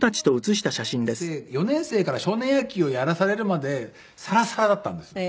僕は５年生４年生から少年野球をやらされるまでサラサラだったんですよ。